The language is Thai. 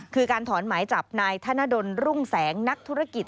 คือการถอนหมายจับนายธนดลรุ่งแสงนักธุรกิจ